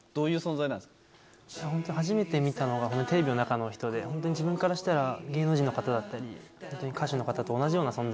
本当に初めて見たのがテレビの中の人で本当に自分からしたら芸能人の方だったり歌手の方と同じような存在で。